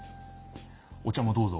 お茶もどうぞ。